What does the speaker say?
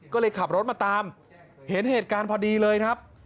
ก็เลยขับรถมาตามเห็นเหตุการณ์พอดีเลยครับ